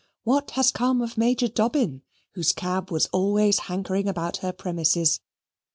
What has come of Major Dobbin, whose cab was always hankering about her premises?